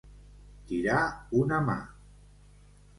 Tirar una mà.